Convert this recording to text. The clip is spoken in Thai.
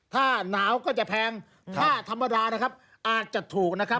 ถ้าหนาวก็จะแพงถ้าธรรมดานะครับอาจจะถูกนะครับ